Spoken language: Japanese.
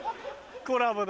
コラボだ！